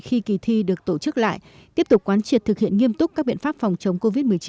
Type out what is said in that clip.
khi kỳ thi được tổ chức lại tiếp tục quán triệt thực hiện nghiêm túc các biện pháp phòng chống covid một mươi chín